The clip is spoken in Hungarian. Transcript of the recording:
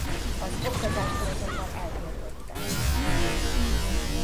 Az oktatástól azonban eltiltották.